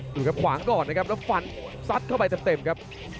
ดูครับขวางก่อนนะครับแล้วฟันซัดเข้าไปเต็มครับ